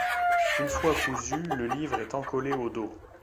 Une fois cousu, le livre est encollé au dos.